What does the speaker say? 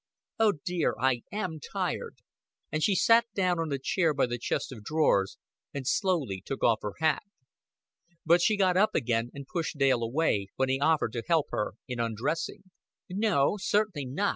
"Oh, dear, I am tired," and she sat down on a chair by the chest of drawers, and slowly took off her hat. But she got up again and pushed Dale away, when he offered to help her in undressing. "No, certainly not.